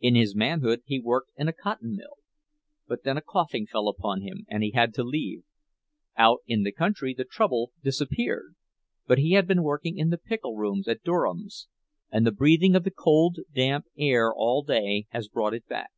In his manhood he worked in a cotton mill, but then a coughing fell upon him, and he had to leave; out in the country the trouble disappeared, but he has been working in the pickle rooms at Durham's, and the breathing of the cold, damp air all day has brought it back.